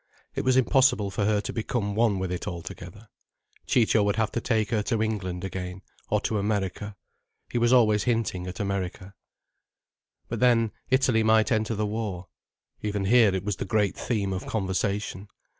It was impossible for her to become one with it altogether. Ciccio would have to take her to England again, or to America. He was always hinting at America. But then, Italy might enter the war. Even here it was the great theme of conversation.